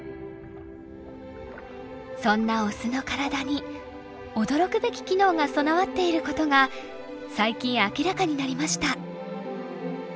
そんなオスの体に驚くべき機能が備わっていることが最近明らかになりました。